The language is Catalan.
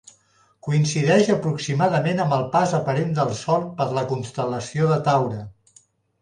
Coincideix aproximadament amb el pas aparent del Sol per la constel·lació de Taure.